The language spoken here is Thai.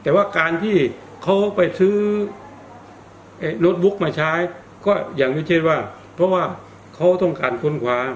แต่ว่าการที่เขาไปซื้อโน้ตบุ๊กมาใช้ก็อย่างเช่นว่าเพราะว่าเขาต้องการค้นคว้า